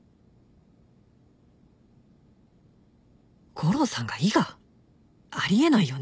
悟郎さんが伊賀？あり得ないよね？